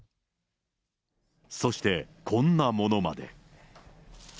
そして、こんなものまで。